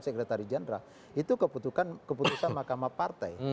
sekretari jenderal itu keputusan mahkamah partai